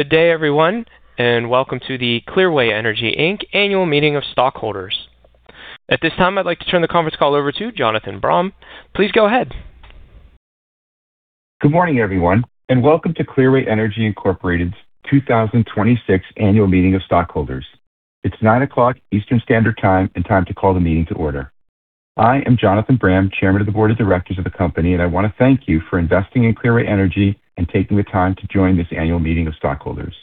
Good day, everyone, and welcome to the Clearway Energy Inc Annual Meeting of Stockholders. At this time, I'd like to turn the conference call over to Jonathan Bram. Please go ahead. Good morning, everyone, and welcome to Clearway Energy Incorporated's 2026 annual meeting of stockholders. It's 9:00 A.M. Eastern Standard Time and time to call the meeting to order. I am Jonathan Bram, Chairman of the Board of Directors of the company, and I wanna thank you for investing in Clearway Energy and taking the time to join this annual meeting of stockholders.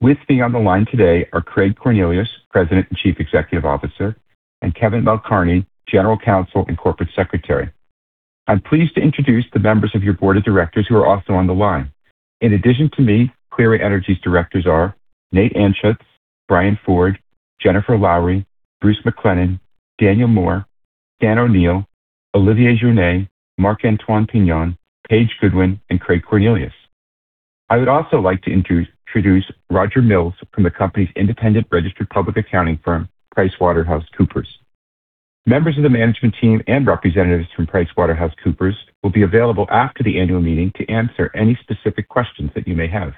With me on the line today are Craig Cornelius, President and Chief Executive Officer, and Kevin P. Malcarney, General Counsel and Corporate Secretary. I'm pleased to introduce the members of your Board of Directors who are also on the line. In addition to me, Clearway Energy's directors are Nathaniel Anschuetz, Brian R. Ford, Jennifer Lowry, Bruce MacLennan, Daniel B. More, E. Stanley O'Neal, Olivier Jouny, Marc-Antoine Pignon, Paige Goodwin, and Craig Cornelius. I would also like to introduce Roger Mills from the company's independent registered public accounting firm, PricewaterhouseCoopers. Members of the management team and representatives from PricewaterhouseCoopers will be available after the annual meeting to answer any specific questions that you may have.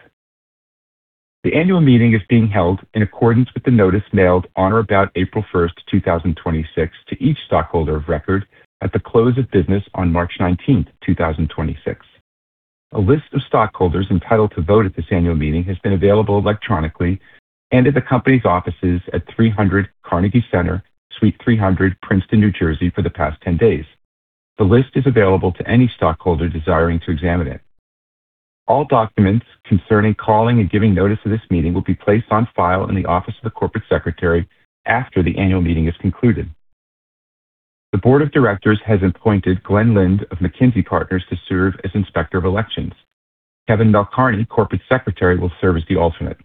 The annual meeting is being held in accordance with the notice mailed on or about April 1, 2026 to each stockholder of record at the close of business on March 19, 2026. A list of stockholders entitled to vote at this annual meeting has been available electronically and at the company's offices at 300 Carnegie Center, Suite 300, Princeton, New Jersey for the past 10 days. The list is available to any stockholder desiring to examine it. All documents concerning calling and giving notice of this meeting will be placed on file in the office of the Corporate Secretary after the annual meeting is concluded. The Board of Directors has appointed Glenn Lind of McKinsey & Company to serve as Inspector of Elections. Kevin P. Malcarney, Corporate Secretary, will serve as the alternate.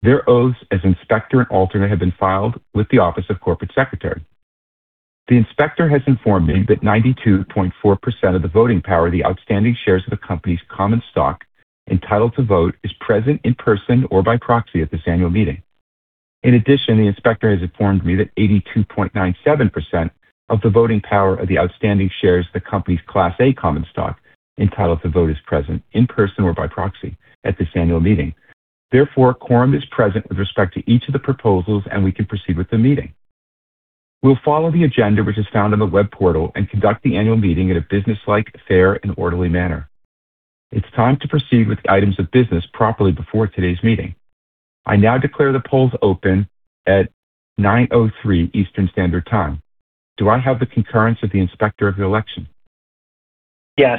Their oaths as inspector and alternate have been filed with the Office of Corporate Secretary. The inspector has informed me that 92.4% of the voting power of the outstanding shares of the company's common stock entitled to vote is present in person or by proxy at this annual meeting. The inspector has informed me that 82.97% of the voting power of the outstanding shares of the company's Class A common stock entitled to vote is present in person or by proxy at this annual meeting. Quorum is present with respect to each of the proposals, and we can proceed with the meeting. We'll follow the agenda which is found on the web portal and conduct the annual meeting in a businesslike, fair, and orderly manner. It's time to proceed with items of business properly before today's meeting. I now declare the polls open at 9:03 A.M. Eastern Standard Time. Do I have the concurrence of the inspector of the election? Yes.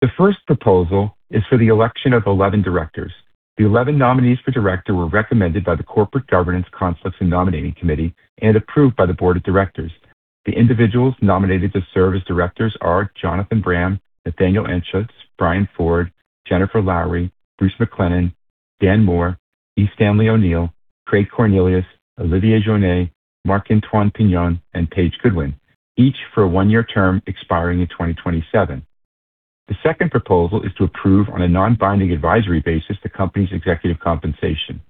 The first proposal is for the election of 11 directors. The 11 nominees for director were recommended by the Corporate Governance and Nominating Committee and approved by the Board of Directors. The individuals nominated to serve as directors are Jonathan Bram, Nathaniel Anschuetz, Brian Ford, Jennifer Lowry, Bruce MacLennan, Daniel More, E. Stanley O'Neal, Craig Cornelius, Olivier Jouny, Marc-Antoine Pignon, and Paige Goodwin, each for a one-year term expiring in 2027. The second proposal is to approve on a non-binding advisory basis the company's executive compensation.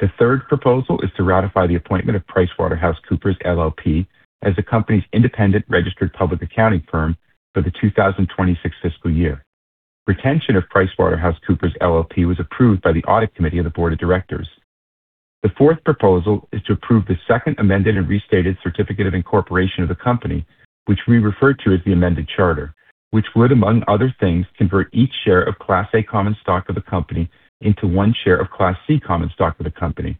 The third proposal is to ratify the appointment of PricewaterhouseCoopers LLP as the company's independent registered public accounting firm for the 2026 fiscal year. Retention of PricewaterhouseCoopers LLP was approved by the Audit Committee of the Board of Directors. The fourth proposal is to approve the second amended and restated Certificate of Incorporation of the company, which we refer to as the Amended Charter, which would, among other things, convert each share of Class A common stock of the company into one share of Class C common stock of the company,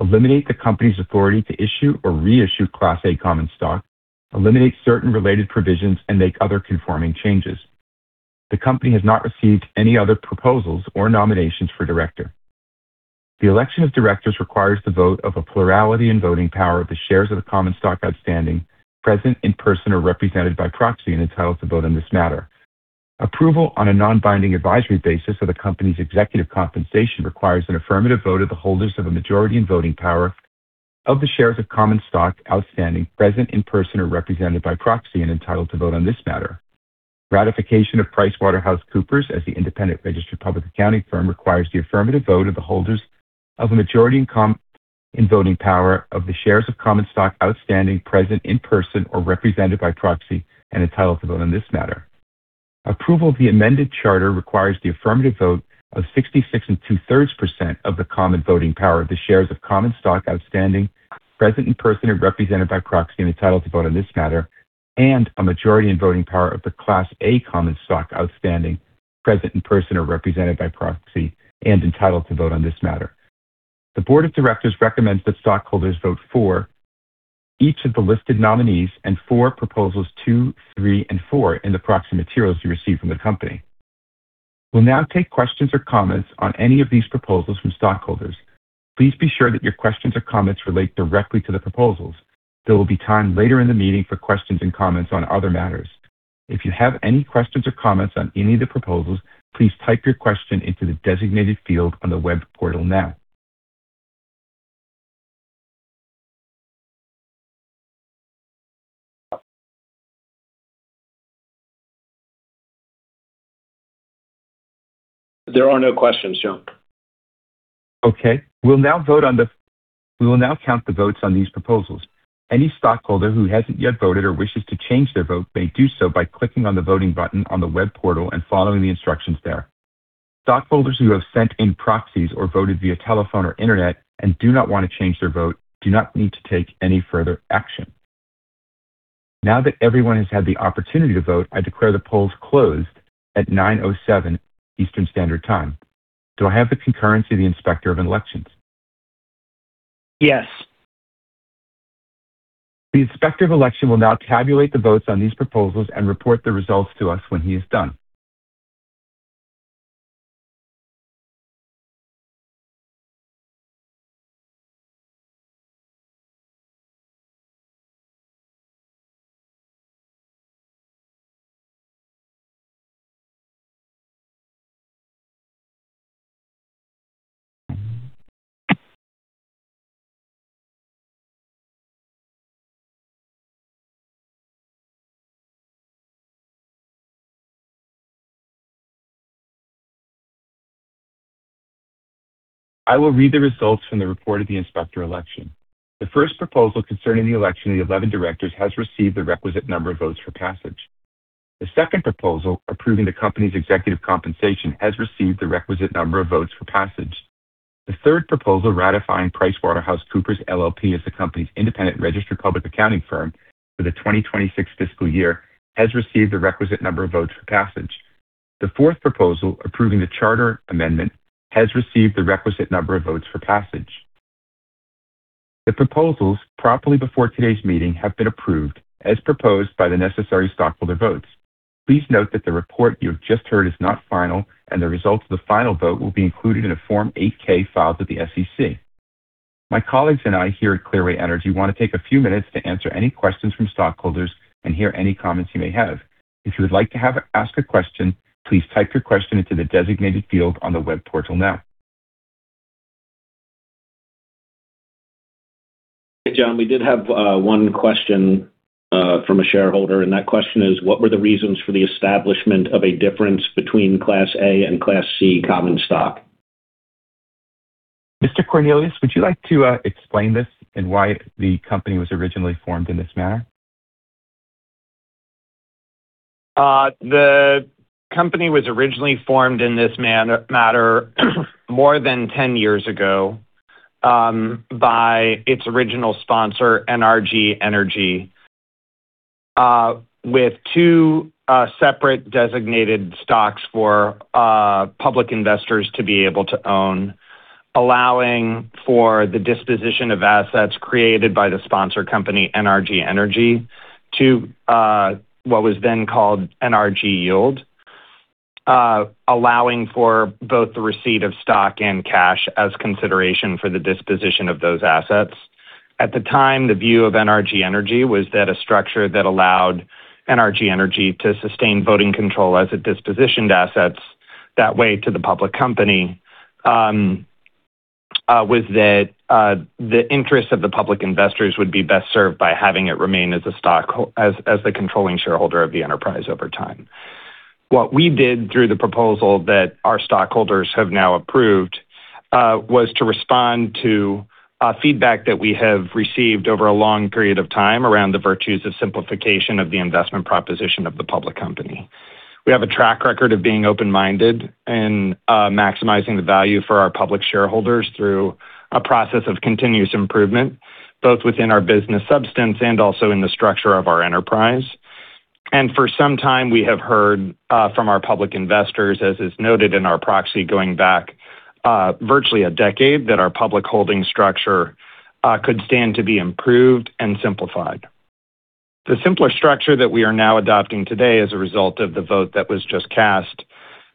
eliminate the company's authority to issue or reissue Class A common stock, eliminate certain related provisions, and make other conforming changes. The company has not received any other proposals or nominations for director. The election of directors requires the vote of a plurality in voting power of the shares of the common stock outstanding, present in person or represented by proxy, and entitled to vote on this matter. Approval on a non-binding advisory basis of the company's executive compensation requires an affirmative vote of the holders of a majority in voting power of the shares of common stock outstanding, present in person or represented by proxy, and entitled to vote on this matter. Ratification of PricewaterhouseCoopers as the independent registered public accounting firm requires the affirmative vote of the holders of a majority in voting power of the shares of common stock outstanding, present in person or represented by proxy, and entitled to vote on this matter. Approval of the amended charter requires the affirmative vote of 66 and 2/3% of the common voting power of the shares of common stock outstanding, present in person or represented by proxy, and entitled to vote on this matter, and a majority in voting power of the Class A common stock outstanding, present in person or represented by proxy, and entitled to vote on this matter. The Board of Directors recommends that stockholders vote for each of the listed nominees and for proposals two, three, and four in the proxy materials you received from the company. We'll now take questions or comments on any of these proposals from stockholders. Please be sure that your questions or comments relate directly to the proposals. There will be time later in the meeting for questions and comments on other matters. If you have any questions or comments on any of the proposals, please type your question into the designated field on the web portal now. There are no questions, Jon. Okay. We will now count the votes on these proposals. Any stockholder who hasn't yet voted or wishes to change their vote may do so by clicking on the voting button on the web portal and following the instructions there. Stockholders who have sent in proxies or voted via telephone or internet and do not wanna change their vote do not need to take any further action. Now that everyone has had the opportunity to vote, I declare the polls closed at 9:07 Eastern Standard Time. Do I have the concurrence of the Inspector of Elections? Yes. The Inspector of Elections will now tabulate the votes on these proposals and report the results to us when he is done. I will read the results from the report of the Inspector of Elections. The first proposal concerning the election of the 11 directors has received the requisite number of votes for passage. The second proposal approving the company's executive compensation has received the requisite number of votes for passage. The third proposal ratifying PricewaterhouseCoopers LLP as the company's independent registered public accounting firm for the 2026 fiscal year has received the requisite number of votes for passage. The fourth proposal approving the charter amendment has received the requisite number of votes for passage. The proposals properly before today's meeting have been approved as proposed by the necessary stockholder votes. Please note that the report you have just heard is not final, and the results of the final vote will be included in a Form 8-K filed with the SEC. My colleagues and I here at Clearway Energy wanna take a few minutes to answer any questions from stockholders and hear any comments you may have. If you would like to ask a question, please type your question into the designated field on the web portal now. Hey, John. We did have one question from a shareholder. That question is: What were the reasons for the establishment of a difference between Class A and Class C common stock? Mr. Cornelius, would you like to explain this and why the company was originally formed in this manner? The company was originally formed in this manner more than 10 years ago by its original sponsor, NRG Energy, with two separate designated stocks for public investors to be able to own, allowing for the disposition of assets created by the sponsor company, NRG Energy, to what was then called NRG Yield, allowing for both the receipt of stock and cash as consideration for the disposition of those assets. At the time, the view of NRG Energy was that a structure that allowed NRG Energy to sustain voting control as it dispositioned assets that way to the public company, was that the interest of the public investors would be best served by having it remain as the controlling shareholder of the enterprise over time. What we did through the proposal that our stockholders have now approved, was to respond to feedback that we have received over a long period of time around the virtues of simplification of the investment proposition of the public company. We have a track record of being open-minded and maximizing the value for our public shareholders through a process of continuous improvement, both within our business substance and also in the structure of our enterprise. For some time, we have heard from our public investors, as is noted in our proxy going back virtually a decade, that our public holding structure could stand to be improved and simplified. The simpler structure that we are now adopting today as a result of the vote that was just cast,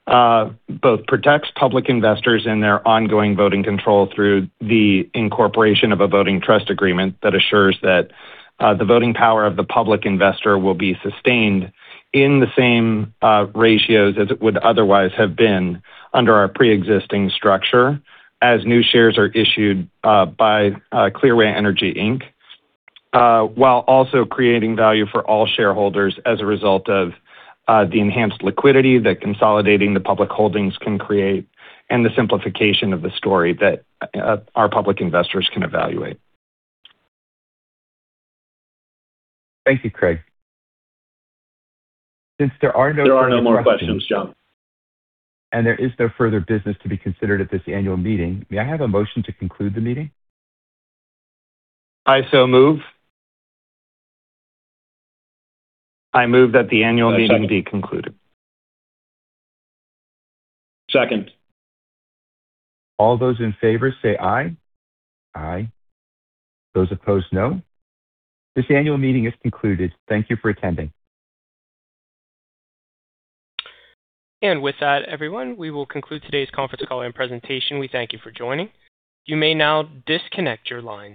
both protects public investors in their ongoing voting control through the incorporation of a Voting Trust Agreement that assures that the voting power of the public investor will be sustained in the same ratios as it would otherwise have been under our preexisting structure as new shares are issued by Clearway Energy Inc, while also creating value for all shareholders as a result of the enhanced liquidity that consolidating the public holdings can create and the simplification of the story that our public investors can evaluate. Thank you, Craig. Since there are no further questions. There are no more questions, John. There is no further business to be considered at this annual meeting, may I have a motion to conclude the meeting? I so move. I move that the annual meeting. Second. Be concluded. Second. All those in favor say aye. Aye. Those opposed, no. This annual meeting is concluded. Thank you for attending. With that, everyone, we will conclude today's conference call and presentation. We thank you for joining. You may now disconnect your lines.